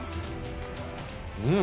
うん。